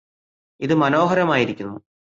ഇത് മനോഹരമായിരിക്കുന്നു